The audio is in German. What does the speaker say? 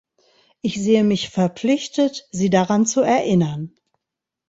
Ich sehe mich verpflichtet, Sie daran zu erinnern.